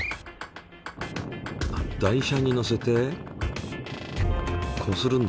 台車にのせてこするんだ。